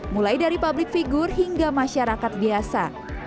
mulai dari publik figur hingga masyarakat biasa